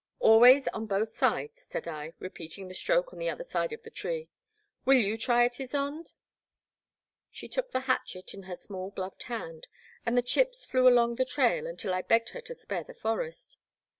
*' Always on both sides, said I, repeating the stroke on the other side of the tree. Will you try it, Ysonde? She took the hatchet in her small gloved hand, and the chips flew along the trail until I begged her to spare the forest.